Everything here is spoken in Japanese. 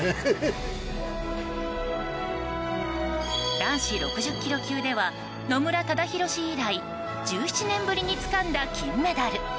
男子６０ｋｇ級では野村忠宏氏以来１７年ぶりにつかんだ金メダル。